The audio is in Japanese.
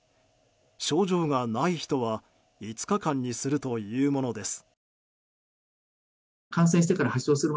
症状がない人は５日間にするというものです。